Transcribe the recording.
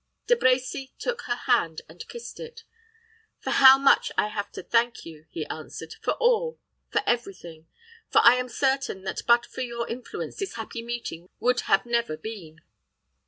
De Brecy took her hand and kissed it. "For how much have I to thank you," he answered; "for all for every thing; for I am certain that but for your influence this happy meeting would have never been."